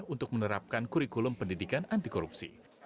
untuk menerapkan kurikulum pendidikan anti korupsi